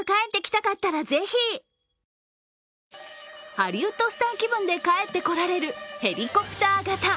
ハリウッドスター気分で帰ってこられるヘリコプター型。